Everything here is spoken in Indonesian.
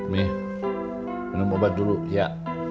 nih minum obat dulu ya